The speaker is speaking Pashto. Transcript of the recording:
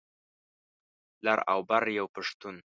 لر او بر یو پښتون.